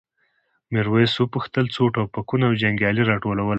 میرويس وپوښتل څو ټوپکونه او جنګیالي راټولولی شئ؟